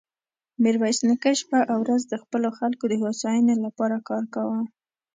ميرويس نيکه شپه او ورځ د خپلو خلکو د هوساينې له پاره کار کاوه.